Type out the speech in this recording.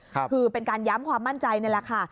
คือเป็นการย้ำความมั่นใจนี่แหละค่ะ